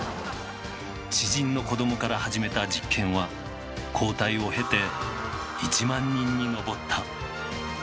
知人の子どもから始めた実験は交代を経て１万人に上った。